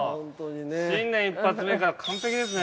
新年一発目から完璧ですね。